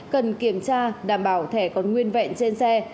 cần kiểm tra đảm bảo thẻ còn nguyên vẹn trên xe